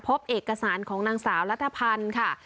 พบเอกสารของนางสาวรัฐพันธ์ค่ะ